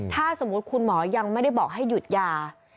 ถ้าสมมุติคุณหมอยังไม่ได้บอกให้หยุดยา